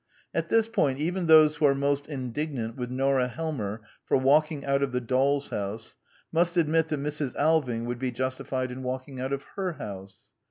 At this point even those who are most indignant with Nora Helmer for walking out of the doll's house, must admit that Mrs. Alving would be justified in walking out of her house.